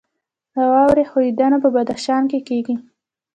د واورې ښویدنه په بدخشان کې کیږي